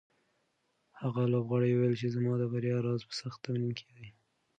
هغه لوبغاړی وویل چې زما د بریا راز په سخت تمرین کې دی.